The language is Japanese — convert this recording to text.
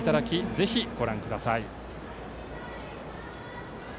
ぜひご覧ください。